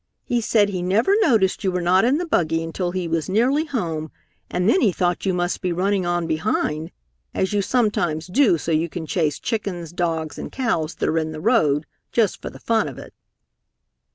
He said he never noticed you were not in the buggy until he was nearly home, and then he thought you must be running on behind, as you sometimes do so you can chase chickens, dogs and cows that are in the road, just for the fun of it."